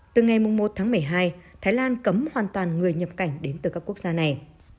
từ ngày một tháng một mươi hai thái lan cấm hoàn toàn người nhập cảnh đến từ các quốc gia này